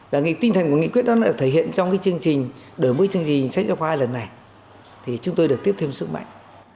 và tinh thần của nghị quyết đó được thể hiện trong đổi mối chương trình sách giáo khoa lần này thì chúng tôi được tiếp thêm sức mạnh